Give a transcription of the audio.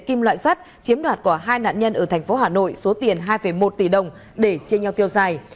kim loại sắt chiếm đoạt của hai nạn nhân ở thành phố hà nội số tiền hai một tỷ đồng để chia nhau tiêu dài